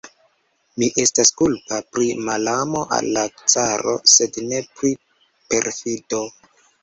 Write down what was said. Mi estas kulpa pri malamo al la caro, sed ne pri perfido!